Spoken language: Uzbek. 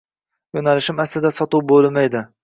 Yoʻnalishim aslida Sotuv boʻlimi edi.